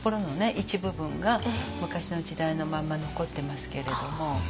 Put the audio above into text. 一部分が昔の時代のまんま残ってますけれども。